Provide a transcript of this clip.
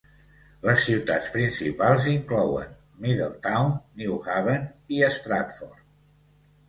Les ciutats principals inclouen: Middletown, New Haven, i Stratford.